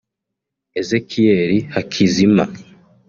Ezechiel Hakizima